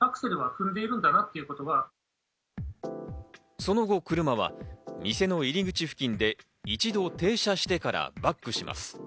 その後、車は店の入り口付近で一度停車してからバックします。